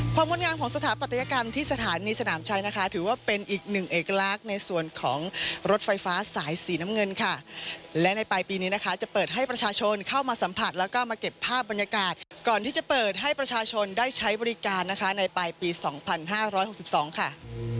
งดงามของสถาปัตยกรรมที่สถานีสนามชัยนะคะถือว่าเป็นอีกหนึ่งเอกลักษณ์ในส่วนของรถไฟฟ้าสายสีน้ำเงินค่ะและในปลายปีนี้นะคะจะเปิดให้ประชาชนเข้ามาสัมผัสแล้วก็มาเก็บภาพบรรยากาศก่อนที่จะเปิดให้ประชาชนได้ใช้บริการนะคะในปลายปี๒๕๖๒ค่ะ